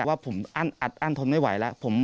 ว่าผมอัดอัดทนไม่ไหวแล้ว